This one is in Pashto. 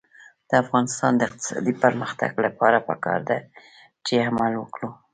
د افغانستان د اقتصادي پرمختګ لپاره پکار ده چې عمل وکړو.